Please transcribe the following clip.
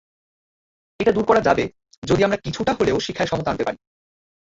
এটা দূর করা যাবে, যদি আমরা কিছুটা হলেও শিক্ষায় সমতা আনতে পারি।